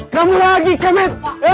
kamu lagi akemet